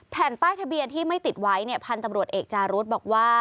แผ่นป้ายทะเบียนที่ไม่ติดไว้เนี่ยพันธุ์ตำรวจเอกจารุธบอกว่า